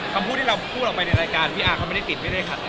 คำพูดที่เราพูดออกไปในรายการพี่อาร์เขาไม่ได้ติดไม่ได้ขัด